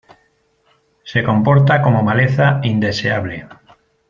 Se comporta como maleza, indeseable.